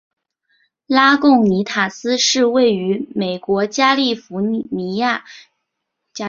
拉贡尼塔斯是位于美国加利福尼亚州马林县的一个非建制地区。